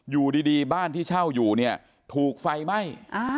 อยู่ดีบ้านที่เช่าอยู่เนี่ยถูกไฟไหม้